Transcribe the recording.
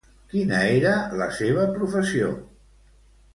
Quina era la seva professió?